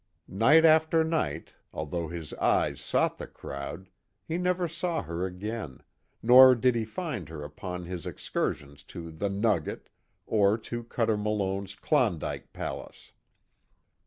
Night after night, although his eyes sought the crowd, he never saw her again, nor did he find her upon his excursions to "The Nugget," or to Cuter Malone's "Klondike Palace."